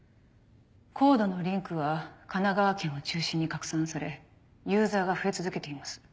ＣＯＤＥのリンクは神奈川県を中心に拡散されユーザーが増え続けています。